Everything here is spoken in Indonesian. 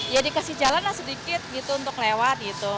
ya dikasih jalan lah sedikit gitu untuk lewat gitu